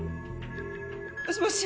もしもし？